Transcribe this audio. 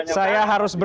saya harus break dulu